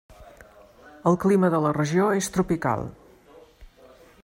El clima de la regió és tropical.